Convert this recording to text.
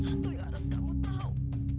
itu yang harus kamu tahu